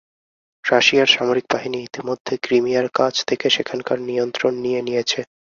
রাশিয়ার সামরিক বাহিনী ইতিমধ্যে ক্রিমিয়ার কাছ থেকে সেখানকার নিয়ন্ত্রণ নিয়ে নিয়েছে।